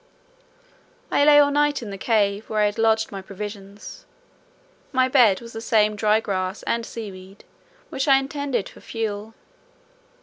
I lay all night in the cave where I had lodged my provisions. My bed was the same dry grass and sea weed which I intended for fuel.